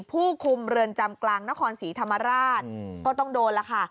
ผู้คุมเรือนจำกลางนครศรีธรรมราชก็ต้องโดนแล้วค่ะ